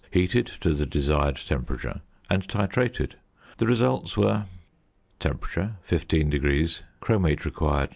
heated to the desired temperature, and titrated. The results were: Temperature 15° 30° 50° 100° "Chromate" required 19.